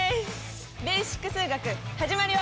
「ベーシック数学」始まるよ！